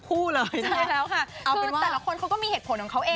คู่เลยใช่แล้วค่ะคือแต่ละคนเขาก็มีเหตุผลของเขาเอง